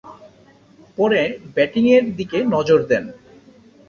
পরে ব্যাটিংয়ের দিকে নজর দেন।